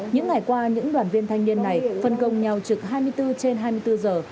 những ngày qua những đoàn viên thanh niên này phân công nhau trực hai mươi bốn trên hai mươi bốn giờ